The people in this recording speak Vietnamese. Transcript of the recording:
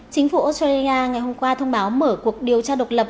chính phủ australia ngày hôm qua thông báo mở cuộc điều tra độc lập